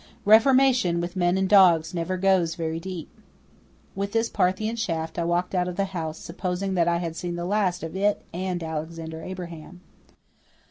Reformation with men and dogs never goes very deep." With this Parthian shaft I walked out of the house, supposing that I had seen the last of it and Alexander Abraham.